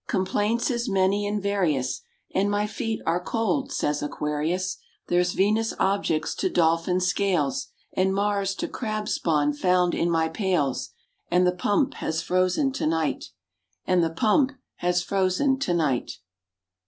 "Complaints is many and various And my feet are cold," says Aquarius, 'There's Venus objects to Dolphin scales, And Mars to Crab spawn found in my pails, And the pump has frozen to night, And the pump has frozen to night."